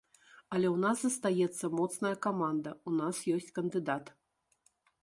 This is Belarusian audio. Але ў нас застаецца моцная каманда, у нас ёсць кандыдат.